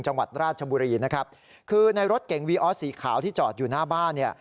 จังหวัดราชบุรีนะครับคือในรถเก่งวีออสสีขาวที่จอดอยู่หน้าบ้านเนี่ย